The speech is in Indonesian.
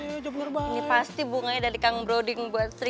ini pasti bunganya dari kang broding buat sri